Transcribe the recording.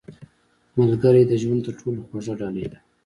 • ملګری د ژوند تر ټولو خوږه ډالۍ ده.